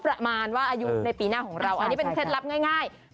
ประมาณว่าอายุในปีหน้าของเราอันนี้เป็นเคล็ดลับง่าย